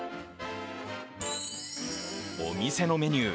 お店のメニュー